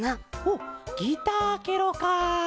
ほうギターケロか。